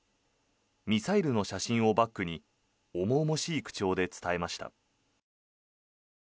ミサイルの写真をバックに重々しい口調で伝えました。